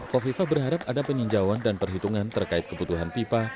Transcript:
kofifa berharap ada peninjauan dan perhitungan terkait kebutuhan pipa